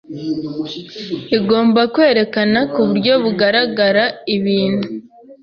igomba kwerekana ku buryo bugaragara ibintu